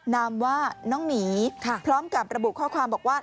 นามว่าน้องหมีพร้อมกับระบุข้อความบอกว่า